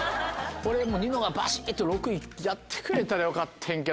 これもニノがバシっと６位やってくれたらよかってんけど。